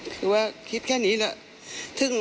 คือว่าคิดแค่นี้แหละ